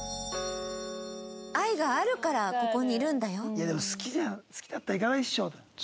いやでも好きじゃ好きだったら行かないでしょ。